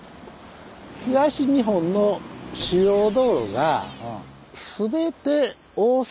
東日本の主要道路が全て坂